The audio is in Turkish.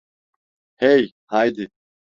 Hey, haydi!